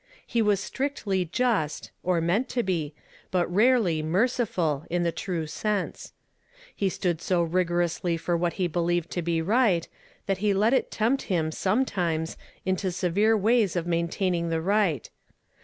He was strictly just, or meant to be, but rarely merciful in the true sense. He stood so rigorously for what he believed to be right, that he let it tempt him, sometimes, into severe ways of maintaining the riirht.